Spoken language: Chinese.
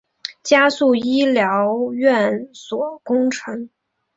加速医疗院所工程